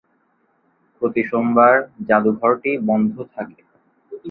প্রতি সোমবার জাদুঘরটি বন্ধ থাকে।